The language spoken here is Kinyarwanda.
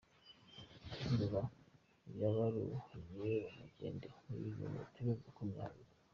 Nduba yabaruhuye urugendo rw’ibilometero makumyabiri